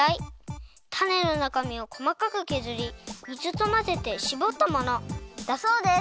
タネのなかみをこまかくけずり水とまぜてしぼったものだそうです。